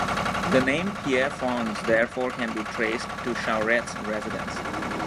The name Pierrefonds therefore can be traced to Chauret's residence.